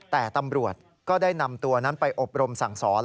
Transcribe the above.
แต่ตำรวจก็ได้นำตัวนั้นไปอบรมสั่งสอน